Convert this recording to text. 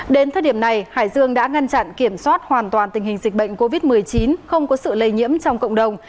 đến thời điểm này hải dương đã ngăn chặn kiểm soát hoàn toàn tình hình dịch bệnh covid một mươi chín không có sự lây nhiễm trong cộng đồng